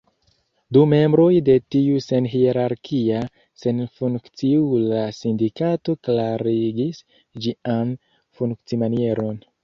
Du membroj de tiu senhierarkia, senfunkciula sindikato klarigis ĝian funkcimanieron.